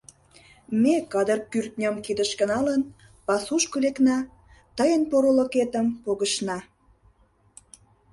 Ме, кадыр кӱртньым кидышке налын, пасушко лекна, тыйын порылыкетым погышна.